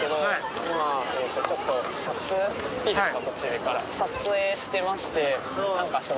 いいですか？